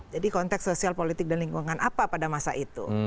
jadi konteks sosial politik dan lingkungan apa pada masa itu